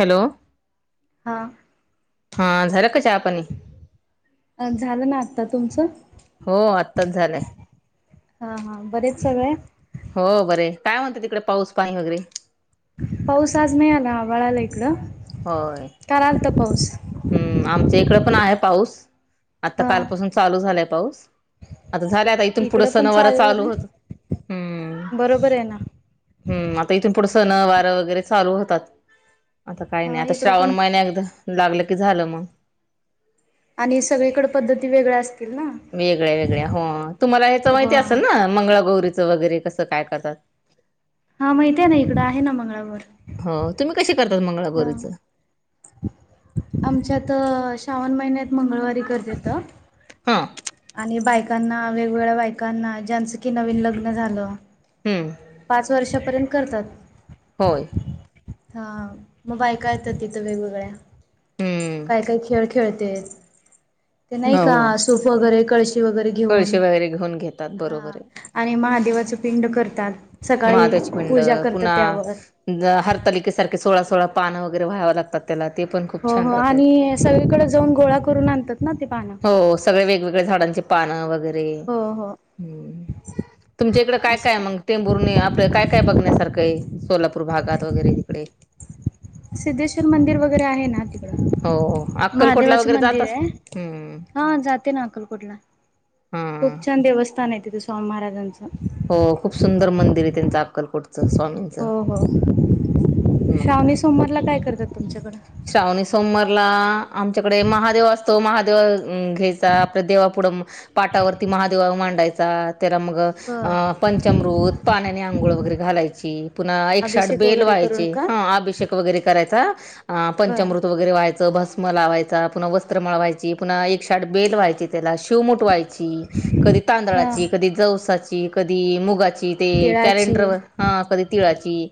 Hello! हा. हां झालं का चहा पानी? अ झालं ना आता, तुमचं? हो आत्ताच झालंय. हा हा बरेत सगळे? हो बरे काय म्हणतं तिकडे पाऊस पाणी वगैरे पाऊस आज नाही आला आभाळ आलंय इकडं होय. काल आलता पाऊस हम्म आमच्या इकडं पण आहे पाऊस आत्ता हा कालपासून चालू झालाय पाऊस आता झाल्या आता इथून पुढं इकडं पण सनवार चालू झालं होतात हम्म बरोबर आहे ना हम्म आता इथून पुढं सणं वारं वगैरे चालू होतात. आता काही नाही हा आता इकडं श्रावण पण महिना एकदा लागलं की झालं मग आणि सगळीकडे पद्धती वेगळ्या असता वेगळ्या-वेगळ्या हो तुम्हाला ह्याच माहिती हा असेल ना मंगळागौरीचं वगैरे कसं काय करतात हा माहितीये ना इकडं आहे ना मंगळागौर हो तुम्ही कशी करतात मंगळागौरीचं? आमच्या तर श्रावण महिन्यात मंगळवारी ते करतेत हा आणि बायका कांना वेगवेगळ्या बायकांना ज्यांचं की नवीन लग्न झालं हम्म. पाच वर्षा पर्यंत करतात. होय. हा. मग बायका येत्यात तिथं, वेगवेगळ्या. हम्म काय - काय खेळ खेळतेत. ते नाही का? हो सूफ वगैरे, कळशी शी वगैरे घेऊन. कळशी वगैरे घेऊन घेतात हा. बरोबर आहे आणि महादेवाचं पिंड करतात. सकाळी पूजा करतात, त्यावर. अ हरतालिके सारखे सोळा- सोळा पानं वगैरे व्हावं लागतात. त्याला. ते पण खूप हो, छान हो. राहतय आणि सगळीकडे जाऊन, गोळा करून, आणतात ना, ते पानं. हो सगळे वेगवेगळ्या झाडांचे पान वगैरे, हो हो हम्म. तुमच्या इकडं काय- काय अशा मग? टेंभूर नी. आपलं काय- काय बघण्यासारखंय. सोलापूर भागात वगैरे, तिकडे. सिद्धेश्वर मंदिर वगैरे आहे ना. हो तिक अक्कलकोटला महादेवाचं वगैरे जातच मंदिरय. हम्म हा, जाते ना, अकलकोटला. हा खूप छान देवस्थानय तिथं, स्वामी महाराजांचं. हो, खूप सुंदर मंदिरय, त्यांचं. अक्कलकोटच, स्वामींचं. हो हो. मग काय श्रावणी सोमवारला काय करतात, तुमच्याकडं? श्रावणी सोमवारला. आमच्याकडे, महादेव असतो. महादेव घ्यायचा. आपल्या देवापुढं, पाठावरती महादेवा मांडायचा. त्याला मग अ अ बर मग पंचमृत. पाण्याने आंघोळ वगैरे घालायची. पुन्हा, एकशे आठ अभिषेक बेल वगैरे करून व्हायचे. का हा, अभिषेक वगैरे करायचा. बर पंचामृत वगैरे व्हायचं. भस म लावायचा. पुन्हा वस्त्रमाळ वायची. पुन्हा एकशे - आठ बेल व्हायची. त्याला शिवमुठ व्हायची. ची. कधी हा तांदळाची, कधी जवसाची, कधी मुगाची ते तिळाची कॅलेंडरवर. ह. कधी तिळाची.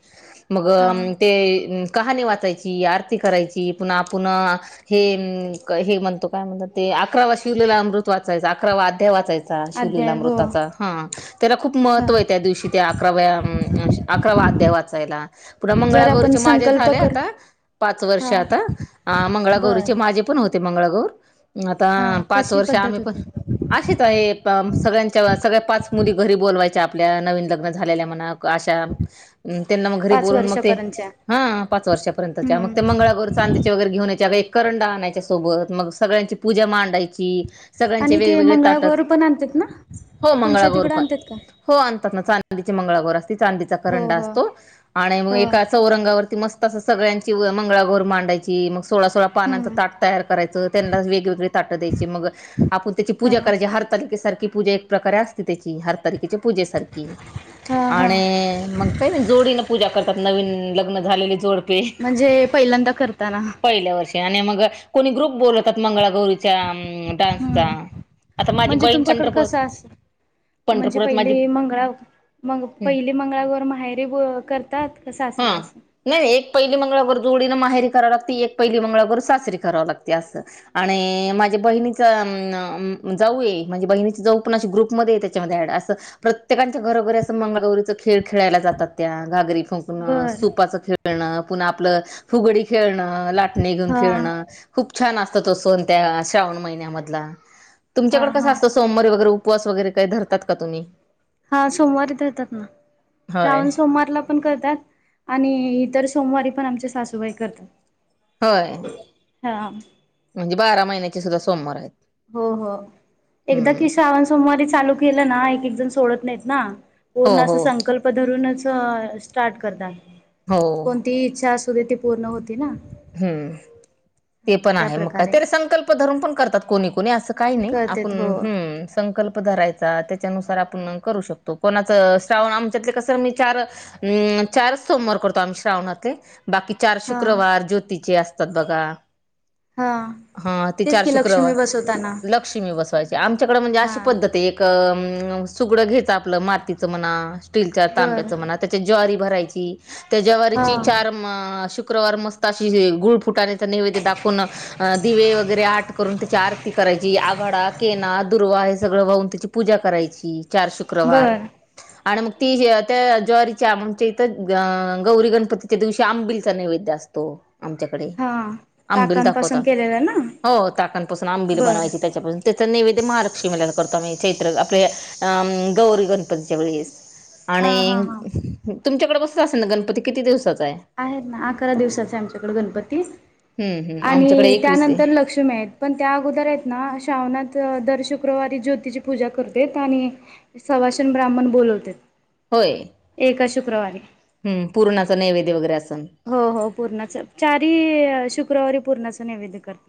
मग हा ते कहाणी वाचायची. आरती करायची. पुन्हा- पुन्हा हे, हे. म्हणतो काय म्हणतात ते? अकरावा शिवलीला अमृत वाचायचं. अकरावा अध्याय वाचायचा. चा. शिवलीला अध्याय हो अमृताचा. हा. त्याला खूप हा महत्त्वय, त्या दिवशी. त्या अकराव्या- अकरावा अध्याय वाचायला. पुन्हा जर आपण मंगळागौरीचे, माझे संकल्प झालेय कर आता पाच वर्ष हा आता, आ बर मंगळागौरीचे. माझे पण होते, मंगळागौर. आता हा आ पाच कशी वर्ष पद्धत आम्ही पण होती असेच आहे. पा सगळ्यांच्या- सगळ्या पाच मुली घरी बोलवायच्या, आपल्या. नवीन लग्न झालेल्या म्हणां अशा. त्यांना मग घरी पाच बोलून मग ते, वर्षापर्यंतच्या हा. पाच वर्षापर्यंतच्या. मग ते हम्म मंगळागौर चांदीचे वगैरे घेऊण यायची. अगर, एक करंडा आणायच्या सोबत. मग सगळ्यांची पूजा मांडायची. सगळ्यांचे आणि ते वेगवेगळे ताट. मंगळागौर पण आणतात ना हो तुमच्या मंगळागौर तिकडे पण. आणतात का हो आणतात ना. चांदीचे मंगळागोर असती. चांदीचा हो करंडा हो असतो. आणि मग हो एका चौरंगावरती मस्त असं, सगळ्यांची मंगळागोर मांडाय ची. मग सोळा - सोळा पानांच, हम्म ताट तयार करायचं. त्यांना वेगवेगळी ताटं द्यायची. मग आपूण त्याची हा पूजा करायची. हरतालिकेसारखी पूजा प्रकारे असते त्याची. हरतालिकेच्या पूजेसारखी. हा हा आणि मग काही नाही. जोडीन पूजा करतात. नवीन लग्न झालेली जोडपे. म्हणजे, पहिल्यांदा करताना. पहिल्या वर्षी. आणि मग कोणी ग्रुप बोलवतात. मंगळागौरी च्या डान्सचा. हम्म आता माझी म्हणजे बहीण तुमच्याकडे पंढरपूर कसं अस म्हणजे, पहिली मंगळा मग हम्म पहिली मंगळागोर माहेरीे करतात का हा सासरी असतं? नाही नाही. एक पहिली मंगळागौर जोडीनं माहेरी करावं लागते, एक पहिली मंगळागौर सासरी करावं लागती असं. आणि माझ्या बहिणीच अ जाऊ आहे म्हणजे बहिणीची जाऊ पण अशी ग्रुपमध्ये येते. अस प्रत्येकांच्या घरोघरी असं मंगगौरीच खेळ खेळायला जातात त्या घागरी सुकणं बर सुपाचं खेळणं पुन्हा आपलं फुगडी खेळणं लाटणी घेऊन हा खेळणं. खूप छान असतो तो सण त्या श्रावण महिन्यामधला हा तुमच्याकडे कसा हा असतो सोमवारी वगैरे उपवास वगैरे काही धरतात का तुम्ही? हा सोमवारी इथ येतात ना होय श्रावण सोमवारला पण करतात आणि इतर सोमवारी पण आमचे सासूबाई करतात होय हा म्हणजे बारा महिन्याचे सुद्धा सोमवार आहेत हो हो एकदा हम्म की श्रावण सोमवारी चालू केलं ना एक एक जण सोडत नाहीत ना हो पूर्ण हो अस संकल्प धरूनच स्टार्ट करतात हो ती इच्छा असूदे ती पूर्ण होती ना. हम्म ते हा पण त्या आहे मग काय प्रकारे त संकल्प धरून पण करतात कोणी कोणी असं आहे. काही नाही आपण करतेत हो ह्म संकल्प धरायचा त्याच्यानुसार आपण करू शकतो कोणाच असं श्रावण आमच्यातले कसं मी चार ह्म चार सोमवार करतो आम्ही श्रावणातले बाकी चार हा शुक्रवार ज्योतीचे असतात बघा हा हा ते तेच चार की शुक्रवार लक्ष्मी बसवताना लक्ष्मी बसवायचे आमच्याकडे म्हणजे हा अशी पद्धत एक सुगडं घ्यायच आपलं मातीच म्हणा स्टीलच्या बर तांब्याच म्हणा. त्या ज्वारी भरायची त्या हा ज्वारीची चार शुक्रवार मस्त अशी गुळ फुटाण्या. नैवेद्य दाखवूनच अ दिवे वगैरे आट करून त्याची आरती करायची आघाडा केना दुर्वा सगळं वाऊून त्याची पूजा करायची चार शुक्रवार. बर आणि मग ती त्या ज्वारीच्या आमच्या इथं गौरी गणपती च्या दिवशी आंबिलचा नैवेद्य असतो, आमच्या कडे. हा आंबिल ताकांपासून दाखवता. केलेलं ना हो टाकापासून आंबील बर बनवायची त्याचा पासून त्याच नैवेद्य महालक्ष्मीला करतो आम्ही चैत्र आपल्या अं गौरी गणपतीच्या वेळेस. हा हा आणि हा तुमच्याकडे बसत असेल ना गणपती? किती दिवसाचा आहे? आहेत ना. अकरा दिवसाचे आहे आमच्याकडे गणपती, हम्म हम्म आमच्याकडे आणि एकवीस आहे त्यानंतर लक्ष्मी आहेत पण त्या अगोदर आहेत ना श्रावणात दर शुक्रवारी ज्योतीिची पूजा करते आणि सुवासिनी, ब्राह्मण बोलवते, एका शुक्रवारी. हम, पूर्णाचं नैवेद्य वगैरे असेल. हो हो पूर्णाचा चारी शुक्रवारी पूर्णाच नैवेद्य करत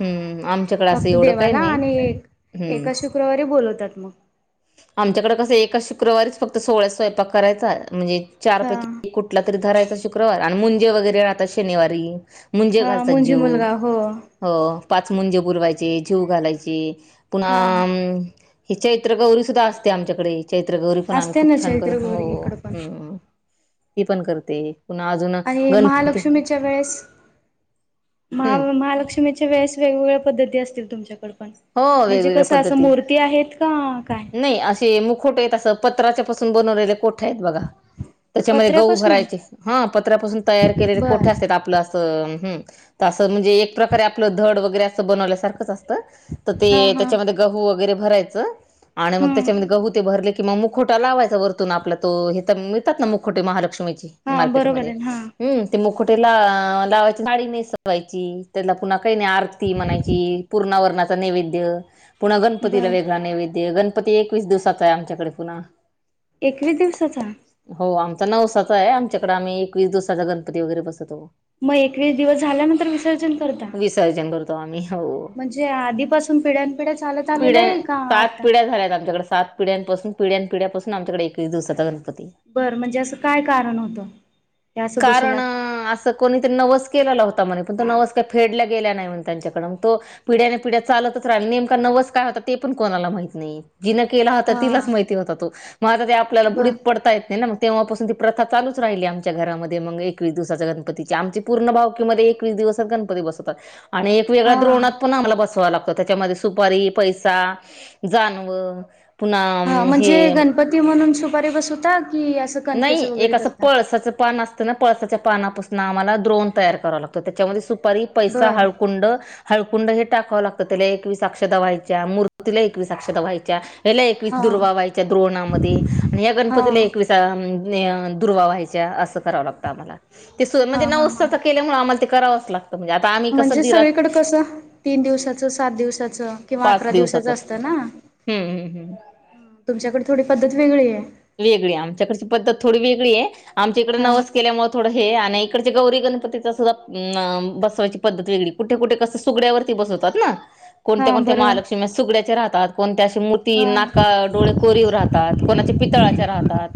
हम्म आमच्याकडे असं फक्त एवढं काही देवाला नाही आणि हम्म एका शुक्रवारी बोलवतात मग. आमच्याकडे कसं एका शुक्रवारीच फक्त सोहळा्या स्वयंपाक करायचा म्हणजे हा चारपैकी कुठला तरी धरायचा शुक्रवार आणि मुंजे वगैरे राहतात शनिवारी, मुंजे हा घालतात मुंजी जीव मुलगा हो. हो. पाच मुंजे बोलवायचे जेऊ घालायचे पुन्हा हा ते चैत्र गौरी सुद्धा असते आमच्याकडे. चैत्र गौरी पण असते खूप ना छान चैत्र करतो. गौरी हो. इकडं पण हम. ती पण करते पुन्हा अजून आणि गणपती महालक्ष्मीच्या वेळेसहा हम्म महालक्ष्मी वेस वेगवेगळ्या पद्धती असतील तुमच्याकड पण? हो. म्हणजे वेगवेगळ्या कसं असं पद्धती. मूर्ती आहेत का काय नाही असे मुखवटे येत अस पत्राच्या पासून बनवलेले कोठ्या आहेत बघा? त्याच्यामध्ये गहू पत्र्यापासून भरायचे, हन पत्र्यापासून तयार केलेले बर कोठ्या अस त्यात, आपलं अस हम, त अस म्हणजे एक प्रकारे आपलं धड वगैरे अस बनल्यासारखंच असतं. तर ते हा हा त्याच्यामध्ये गहू वगैरे भरायचं आणि मग हम्म त्याच्यामध्ये गहू ते भरले किं म मुखोटा लावायचा वरतून आपला तो, हित मिळतात ना मुखोटे महालक्ष्मीची. हा मार्केट बरोबर मदे, आहे हा हम ते मुकोटे ला आ लावायचे साडी नेसवायची त्याला पुन्हा काही नही आरती म्हणायची, पूर्णा वरनाचा नैवेद्य, पुन्हा गणपतीला बर वेगळा नैवेद, गण पती एकवीस दिवसाचा आहे आमच्याकडे पुन्हा. एकवीस दिवसाचा? हो आमचा नवसाचा आहे, आमच्याकडे आम्ही एकवीस दिवसाचा गणपती वगैरे बसवतो. म एकवीस दिवस झाल्यानंतर विसर्जन करता? विसर्जन करतो आम्ही, हो. म्हणजे आधीपासून पिढ्या पिढ्या चालत आलेलं पिढ्या, आहे का सात आता पिढ्या झाल्यात आमच्याकडे सात पिढ्यांपासून, पिढ्यां-पिढ्याासून आमच्याकडे एक दिवसाचा गणपती. बरं म्हणजे असं काय कारण होतं, या असं बसोलात? त कोणी नवस केलेला होता म्हणे, पण तो नवस काय फेडल्या गेला नाही त्यांच्याकडन म तो पिढ्या पिढ्या चालतच राहिल्या नेमका नवस काय होता ते पण कोणाला माहित नाही. जिनं केला होता हा तिलाच माहिती होता तो, मग आता ते आपल्याला ब बुडीत पडता येत नाही ना म? तेव्हापासून ती प्रथा चालूच राहिली, आमच्या घरामध्ये मग एकवीस दिवसाच्या गणपतीची आमची पूर्ण भावकीमध्ये एकवीस दिवस गणपती बसतात एक वेगळ्या हा द्रोणात पण आम्हाला बसवा लागत, त्याच्यामध्ये सुपारी, पैसा, जाणव हा म्हणजे गणपती म्हणून सुपारी बसवता, की असं नाही कणकेचं वगैरे एक असं करता? पळसाचं पान अस त ना पळसाच्या पानापासून आम्हाला द्रोण तयार कराव लागतं, त्याच्यामध्ये सुपारी, पैसा, बरं हळकुंड हळकुंड हे टाकावं लागतं त्याले, एकवीस अक्षदा व्हायच्या, मूर्तीला एकवीस अक्षदा व्हायच्या. याला एकवीस हा दुर्वा व्हायच्या द्रोवणामध्ये आणि या हा गणपतीला एकवीस अम यन दूर्वा व्हायच्या असं करावं लागतं आम्हाला, ते स हा हा हा नवसाचं केल्या आम्हाला ते करावंच लागत. तं म्हणजे आता आम्ही कसं म्हणजे दिरात सगळीकड कसं तीन दिवसाचं, सात दिवसाचं किंवा पाच अकरा दिवसाच दिवसाचं असतं ना. हम्म हम्म हम्म. तुमच्याकड थोडी पद्धत वेगळी ये. वेगळी, आमच्याकडची पद्धत थोडी वेगळीये आमच्या इकड हा नवस केल्यामुळे थोडं हे आण इकडचे गौरी गणपती सुद्धा म अ बसवायची पद्धत वेगळी. कुठे-कुठे कसं सुगड्यावरती बसवतात ना? हा कोणत्या-कोणत्या बरोबर महालक्ष्मी सुगड्याचे राहतात, कोणत्या अशी मूर्ती हा नाका, डोळे कोरीवर राहतात कोणाचे पितळाच्या राहतात.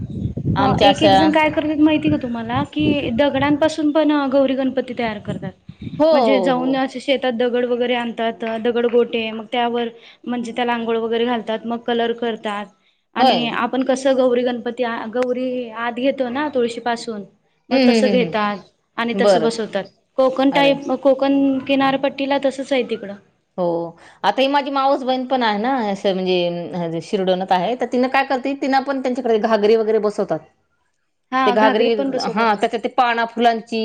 हां आमच्या एक-एक अशा जण काय माहिती का तुम्हाला? की दगडांपासून पण गौरी गणपती तयार करतात. हो हो म्हणजे हो जाऊन अशे शेतात दगड वगैरे आणतात, दगड गोटे मग त्यावर म्हणजे त्याला अंघोळ वगैरे घालतात, मग कलर करतात. आणि होय. आपण कसं गौरी गणपती आ गौरी आत घेतो ना, तुळशीपासून. मग हम्म तस हम्म हम्म घेतात आणि हम्म तस बरं बसवतात कोकण अरे टाईप म कोकण किनारपट्टीला तसंच आहे तिकडं, हो आता ही माझी माऊस बहीण पण आहे ना म्हणजे शिरडोनत आहे तर तिनं काय करते. ति पण त्यांच्याडे घागरी वगैरे बसवतात ते हा घागरी पण बसवतात हा ना त्या, पाना फुलांची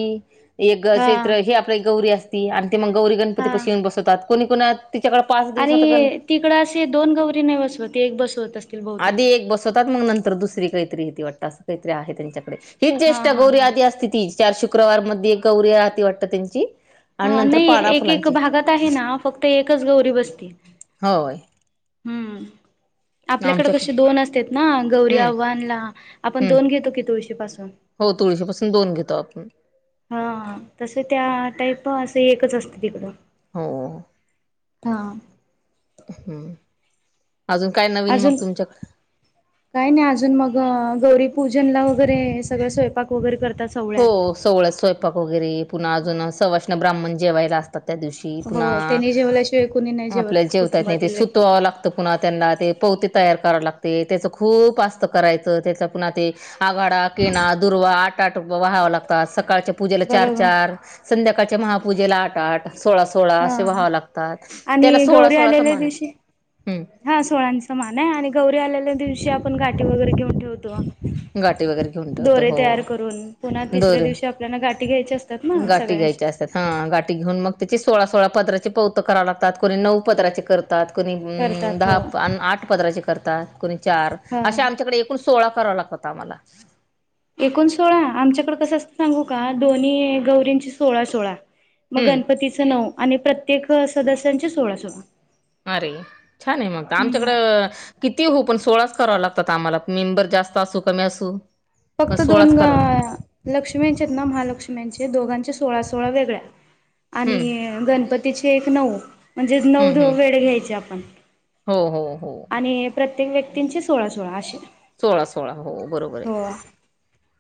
एक हा चेत्र हे आपल्या एक गौरी असते. आणि ते मग गौरी गणपती हा. पाशी येऊन बसवतात कोणी कोुत तिच्याकडे पाच- दिवसात गण आणि तिकडं असे दोन गौरी नाही बसवते एक बसवत अस- आधी एक बसवतात मग नंतर दुसरी काहीतरी ती वाटतं असं काहीतरी आहे त्यांच्याकडे- हीच हा ज्येष्ठ हा गौरी हा आदी असती ती चार शुक्रवार मध्ये एक गौरी राह ती वाटत त्यांची. आणि ह नंतर नाही पाना एक एक फुलांची भागात आहे ना फक्त एकच गौरी बसतील. होय हम्म आपल्याकडे आमच्याक कसे दोन असत ना गौरी हम्म आव्हानला आपण हम्म दोन घेतो की तुळशी पाासून, हो तुळशीपासून दोन घेतो आपण. हा तस त्या टाईप असं एकच असते तिकडं. हो हा. हम्म अजून काय नवीन मग अजून तुमच्याकडे. काय नाही अजून मग गौरी पूजनला वगैरे सगळ स्वयंपाक वगैरे करतात.. हो सवळ्यात. सोहळ्यात स्वयंपाक वगैरे पुन्हा अजून सवष्ण ब्राह्मण जेवायला असतात त्या दिवशी. पुन्हा... हो त्यानी जेवल्याशिवाय कुणी नाही आपल्याला जेवत नाही ते कुटुंबातील व्यक्ती. सुतवां लागत. पुन्हा त्यांना ते पवते तयार करावला लागते. त्याच खूप आस्त करायचं त्याच पुन्हा ते. आघाडा केना दुर्वा आठ आठ व्हाव लागतात सकाळच्या पूजेला चार बरोबर चार. संध्याकाळच्या महापूजेला आठ आठ सोळा सोळा असे हा व्हा लागतात त्याला आणि सोळा गौरी सोळा आलेल्या मान दिवशी आहे. हा सोळ्यांचं मान आहे आणि गौरी आलेल्या दिवशी आपण गाठी वगैरे घेऊन ठेवतो. गाठी वगैरे घेऊन ठेवतो दोरे हो तयार करून पुन्हा तिसऱ्या दोरे दिवशी आपल्याला गाठी घ्यायची असतात ना गाठी सगळ्यांचे, घ्यायच्या हा गाठी घेऊन मग त्याची सोळा सोळा पदराचे पवतं कराव लागतात को नऊ पदरााचे करत. कुणी करतात दहा हो आठ पदराच्या करतात कोणी चार हा अशा आमच्याकडे- पण सोळा करावा लागत आम्हाला. एकोण सोळा आमच्याकडे कसं असतं सांगू का दोन्ही गौरींची सोळा सोळा. मग हम्म गणपतीचं नऊ आणि प्रत्येक सदस्यांचे सोळा सोळा. अरे छान आहे मग हम्म आमच्याकडं. किती हो पण सोळाच करावा लागतात आम्हाला मेंबर जास्त असू कमी असू.. पण फक्त दोन सोळाच ग.. कराव लक्ष्मीचेत ना महालक्ष्मी्यांचे दोघांचे सोळा सोळा वेगळ्या आणि हम्म गणपतीची एक नऊ म्हणजे नऊ हम्म हम्म दुर्वा घ्यायची आपण. हो हो हो आणि प्रत्येक व्यक्तींचे सोळा सोळा असे. सोळा सोळा हो बरोबर हो आहे.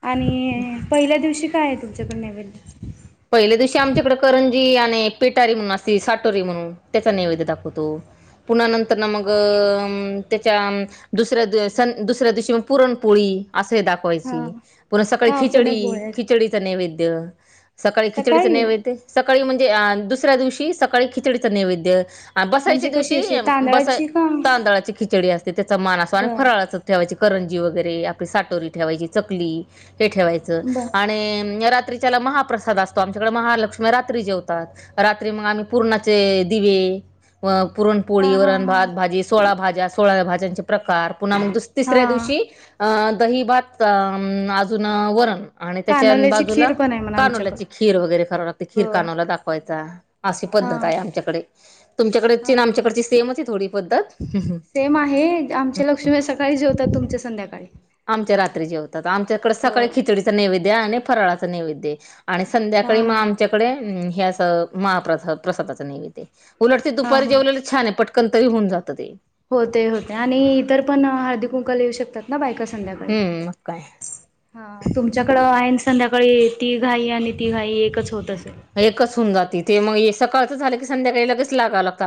आणि पहिल्या दिवशी काय आहे तुमच्याकड नवैध पहिल्या दिवशी आमच्याकडे करंजी आणि पेटारी म्हणून असतील साटोरी म्हणून, त्याचा नैवेद्य दाखवतो पुन्हा बरं नंतर ना मग. त्याच्या दुसऱ्या दुसऱ्या दिवशी पुरणपोळी असे दाव. हा ावायची पुन्हा सकाळी हा खिचडी पुरणपोळी खिचडीच नैवेद्य. सकाळी खिचडीचं नैवेद्य सकाळी म्हणजे अ दुसऱ्या दिवशी सकाळी खिचडीचं नैवेद्य. बसायच्या म्हणजे कशी दिवशी अशी बसा तांदळाची का तांदळाची खिचडी असते त्याचा मान असो आणि बर फराळाच. ठेवायची करंजी वगैरे आपली साटोरी ठेवायची चकली हे ठेवायचे.. बर आणि रात्रीच्याला महाप्रसाद असतो आमच्याकडे महालक्ष्मी रात्री जेवतात. रात्री मग आम्ही पूर्णाचे दिवे व. पुरणपोळी हा हा हा वरणभात भाजी, सोळा भाज्या सोळा्या भाज्यांचे प्रकार. पुन्हा मग हा तिसऱ्या दिवशी अ दहि भात अजून वरण. आणि त्याच्या कानोल्याची बाजूला खीर पण आहे म्हणा कान वले आमच्याकडे खीर वगैरे कराव लागते खीर हो कान वला दाखवायचा अशी हा पद्धत आहे आमच्याकडे तुमच्याकडे ची हा ना हा आमच्याकडची सेम आहे थोडी पद्धत सेम आहे आमच्या लक्ष्मी सकाळी जेवतात तुमच्या संध्याकाळी.. आमच्या रात्री जेवतात आमच्याकडे हो सकाळी खिचडीचं नैवेद्य आणि फराळाचं नैवेद्य.. आणि हा संध्याकाळी मग हा आमच्याकडे ह्या अस महाप्रसाद प्रसादाच नैवेद्य उलट ते हा दुपारी हा जेवलेले छान आहे. पटकन तरी होऊन जातं ते होते होते आणि इतर पण हल्दी कुंकला येऊ शकतात ना बायका संध्याकाळ. हम्म मंग काय? हा तुमच्याकडं आहेन संध्याकाळी ती घाई आणि ती घाई एकच होत असेल. एकच होऊन जाते ते मग सकाळचं झालं की संध्याकाळी लगेच लागा लागतं.